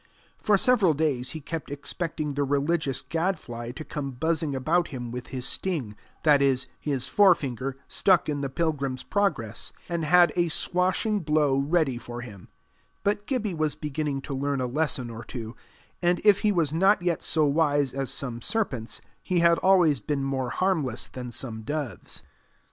For several days he kept expecting the religious gadfly to come buzzing about him with his sting, that is, his forefinger, stuck in the Pilgrim's Progress, and had a swashing blow ready for him; but Gibbie was beginning to learn a lesson or two, and if he was not yet so wise as some serpents, he had always been more harmless than some doves.